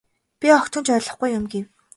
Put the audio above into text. Би огтхон ч ойлгохгүй юм гэв.